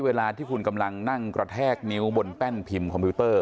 เวลาที่คุณกำลังนั่งกระแทกนิ้วบนแป้นพิมพ์คอมพิวเตอร์